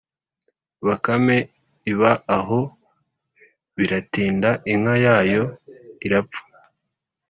bakame iba aho, biratinda inka yayo irapfa,